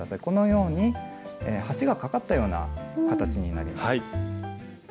このように橋がかかったような形になります。